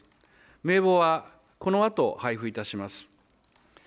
名簿はこのあと配布いたします。